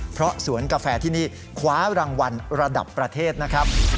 เพราะสวนกาแฟที่นี่คว้ารางวัลระดับประเทศนะครับ